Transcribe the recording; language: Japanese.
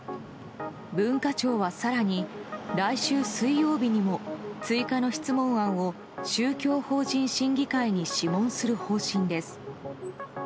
文化庁は更に来週水曜日にも追加の質問案を宗教法人審議会に諮問する方針です。